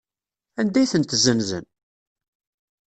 Anda ay tent-ssenzen?